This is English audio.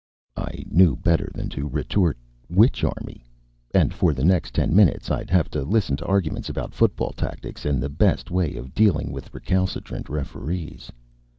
I KNEW better than to retort "Which army?" and for the next ten minutes I'd have to listen to arguments about football tac tics and the best way of dealing with recalcitrant referees.